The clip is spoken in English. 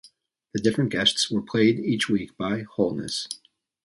The different guests were played each week by Holness.